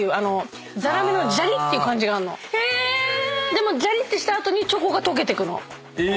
でもジャリッてした後にチョコが溶けてくの。